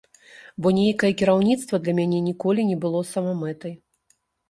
Бо нейкае кіраўніцтва для мяне ніколі не было самамэтай.